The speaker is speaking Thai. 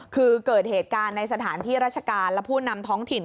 คือเกิดเหตุการณ์ในสถานที่ราชการและผู้นำท้องถิ่น